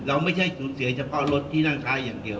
ไม่ใช่สูญเสียเฉพาะรถที่นั่งท้ายอย่างเดียว